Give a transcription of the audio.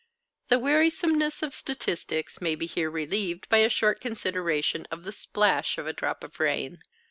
The wearisomeness of statistics may be here relieved by a short consideration of the splash of a drop of rain.